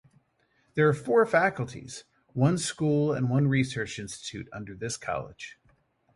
There are four faculties, one school and one research institute under this college.